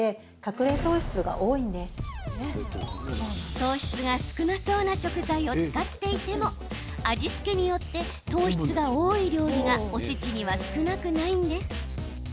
糖質が少なそうな食材を使っていても、味付けによって糖質が多い料理がおせちには少なくないんです。